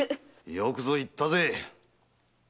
よくぞ言ったぜ恋女房！